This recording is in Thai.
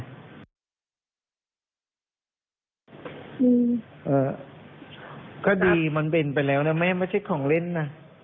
อืมเอ่อคดีมันเป็นไปแล้วนะไม่ใช่ของเล่นนะ